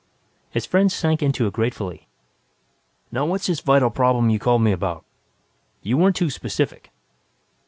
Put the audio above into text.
His friend sank into it gratefully. "Now, what's this vital problem you called me about? You weren't too specific."